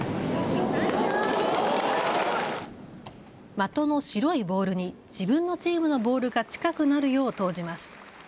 的の白いボールに自分のチームのボールが近くなるよう投じます。